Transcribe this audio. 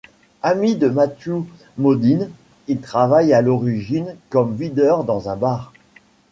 Ami de Matthew Modine, il travaille à l'origine comme videur dans un bar.